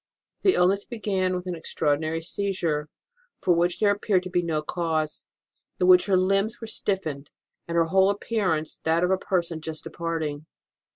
The illness began with an extraordinary seizure, for which there appeared to be no cause, in which her limbs were stiffened and her whole appearance that of a person just departing.